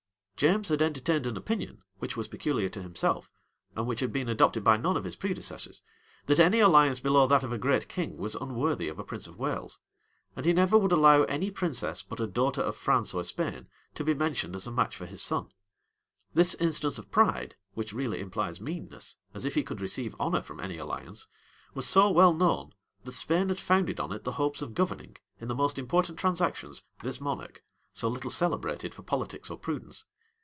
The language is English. James had entertained an opinion, which was peculiar to himself, and which had been adopted by none of his predecessors, that any alliance below that of a great king was unworthy of a prince of Wales; and he never would allow any princess, but a daughter of France or Spain, to be mentioned as a match for his son.[*] This instance of pride, which really implies meanness, as if he could receive honor from any alliance, was so well known, that Spain had founded on it the hopes of governing, in the most important transactions, this monarch, so little celebrated for politics or prudence.